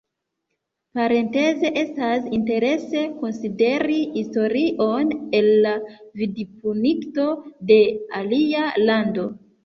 Parenteze, estas interese konsideri historion el la vidpunkto de alia lando.